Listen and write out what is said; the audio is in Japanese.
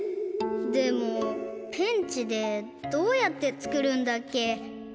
でもペンチでどうやってつくるんだっけ？